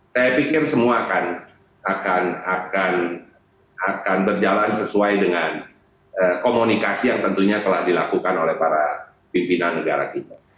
saya pikir semua akan berjalan sesuai dengan komunikasi yang tentunya telah dilakukan oleh para pimpinan negara kita